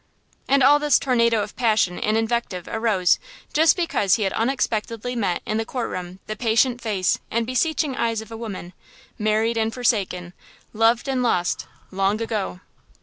And all this tornado of passion and invective arose just because he had unexpectedly met in the court room the patient face and beseeching eyes of a woman, married and forsaken, loved and lost, long ago!